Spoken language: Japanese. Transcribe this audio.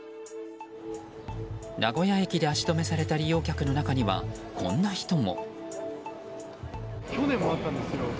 名古屋駅で足止めされた利用客の中には、こんな人も。